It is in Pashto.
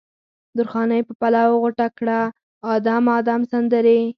درخانۍ په پلو غوټه کړه ادم، ادم سندرې